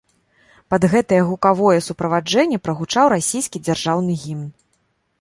Пад гэткае гукавое суправаджэнне прагучаў расійскі дзяржаўны гімн.